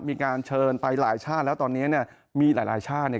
มีการเชิญไปหลายชาติแล้วตอนนี้เนี่ยมีหลายหลายชาติเนี่ย